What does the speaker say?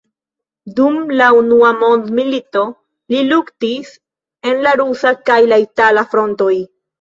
Dum la unua mondmilito li luktis en la rusa kaj itala frontoj.